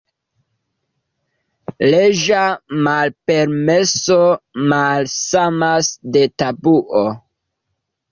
Leĝa malpermeso malsamas de tabuo.